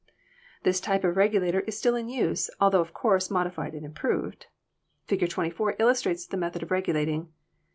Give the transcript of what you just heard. This type of regulator is still in use, altho, of course, modified and improved. Fig. 24 illustrates the method of regulating.